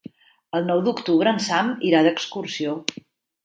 El nou d'octubre en Sam irà d'excursió.